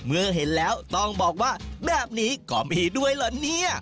เมื่อเห็นแล้วต้องบอกว่าแบบนี้ก็มีด้วยเหรอเนี่ย